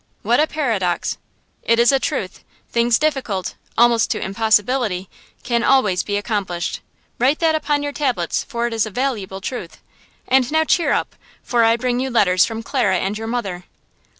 "What a paradox!" "It is a truth. Things difficult–almost to impossibility–can always be accomplished. Write that upon your tablets, for it is a valuable truth. And now cheer up, for I bring you letters from Clara and your mother."